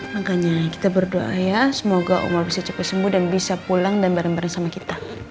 makanya kita berdoa ya semoga allah bisa cepat sembuh dan bisa pulang dan bareng bareng sama kita